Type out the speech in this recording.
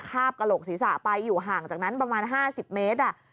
คาบกระโหลกศีรษะไปอยู่ห่างจากนั้นประมาณ๕๐เมตร